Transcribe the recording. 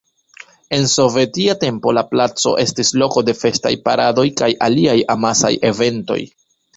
En sovetia tempo la placo estis loko de festaj paradoj kaj aliaj amasaj eventoj.